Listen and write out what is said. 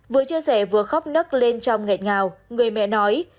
vừa chưa rẻ vừa khóc nức lên trong nghẹt ngào người mẹ nói